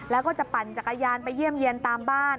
แล้วก็จะปั่นจักรยานไปเยี่ยมเยี่ยนตามบ้าน